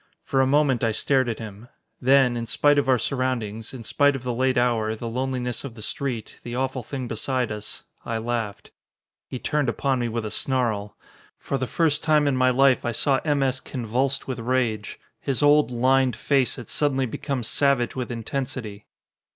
For a moment I stared at him. Then, in spite of our surroundings, in spite of the late hour, the loneliness of the street, the awful thing beside us, I laughed. He turned upon me with a snarl. For the first time in my life I saw M. S. convulsed with rage. His old, lined face had suddenly become savage with intensity.